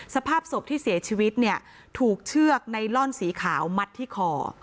สภาพศพที่เสียชีวิตเนี่ยถูกเชือกไนลอนสีขาวมัดที่คอ